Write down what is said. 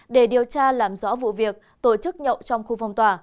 để điều tra làm rõ vụ việc tổ chức nhậu trong khu phòng tòa